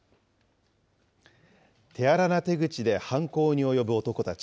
手荒な手口で犯行に及ぶ男たち。